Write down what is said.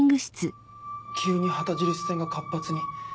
急に旗印戦が活発に。